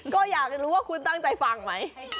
ก็อยากรู้ว่าคุณตั้งใจฟังไหม